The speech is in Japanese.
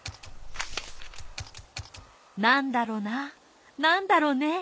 なんだろななんだろね。